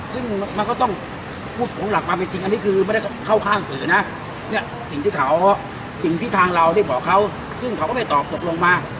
ซึ่งมันก็ต้องพูดของหลักความเป็นจริงอันนี้คือไม่ได้เข้าข้างสื่อนะเนี่ยสิ่งที่เขาสิ่งที่ทางเราได้บอกเขาซึ่งเขาก็ไม่ตอบตกลงมา